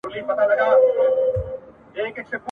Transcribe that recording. نه به واخلي تر قیامته عبرتونه ..